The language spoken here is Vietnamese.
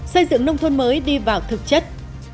xây dựng nông thôn mới đi vào thực chất